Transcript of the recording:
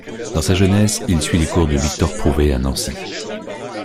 Dans sa jeunesse, il suit les cours de Victor Prouvé à Nancy.